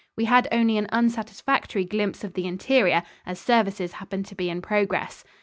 We had only an unsatisfactory glimpse of the interior, as services happened to be in progress.